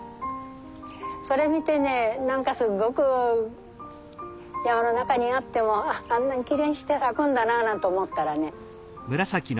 それ見てね何かすごく山の中にあってもあんなにきれいにして咲くんだななんて思ったらね